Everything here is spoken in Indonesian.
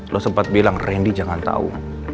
lo sempat bilang randy jangan tahu